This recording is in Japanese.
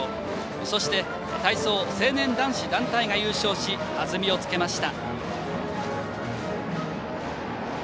そして体操成年男子団体が優勝し弾みをつけました。